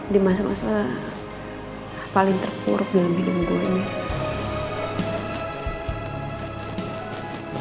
di masa masa paling terpuruk dalam hidup gue nih